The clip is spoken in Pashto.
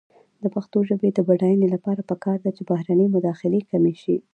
د پښتو ژبې د بډاینې لپاره پکار ده چې بهرنۍ مداخلې کمې شي.